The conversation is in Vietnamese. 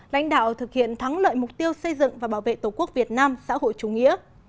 lãnh đạo thực hiện thắng lợi mục tiêu xây dựng và bảo vệ tổ quốc việt nam xã hội chủ nghĩa